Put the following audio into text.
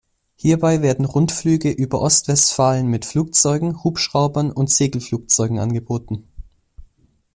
Hierbei werden Rundflüge über Ostwestfalen mit Flugzeugen, Hubschraubern und Segelflugzeugen angeboten.